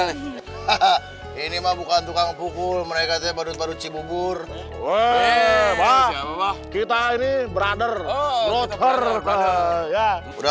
nih ini abah denger sendiri ya